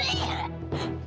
kok muntah muntah sih